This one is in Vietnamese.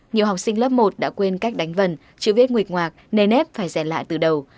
nhiều học sinh lớp một đã quên cách đánh vần chữ viết nguyệt ngoạc nề nếp phải dẹn lại từ đầu